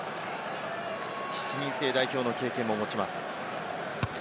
７人制代表の経験も持ちます。